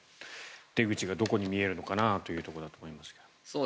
出口がどこに見えるのかなというところだと思いますが。